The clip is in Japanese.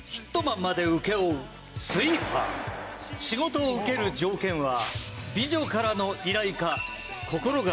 仕事を受ける条件は。